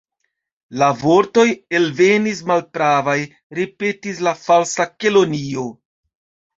"La vortoj elvenis malpravaj," ripetis la Falsa Kelonio.